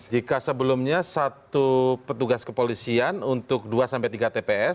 jika sebelumnya satu petugas kepolisian untuk dua sampai tiga tps